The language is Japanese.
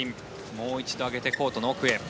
もう一度上げてコートの奥へ。